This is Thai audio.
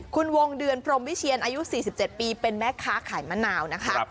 คุณวงเดือนพรมวิเชียนอายุ๔๗ปีเป็นแม่ค้าขายมะนาวนะคะ